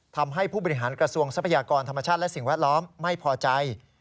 ทำให้ผู้บริหารกระทรวงทรัพยากรธรรมชาติและสิ่งแวดล้อมไม่พอใจ